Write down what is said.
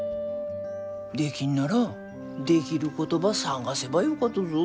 できんならできることば探せばよかとぞ。